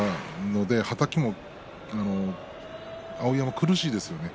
ですから碧山、苦しいですよね。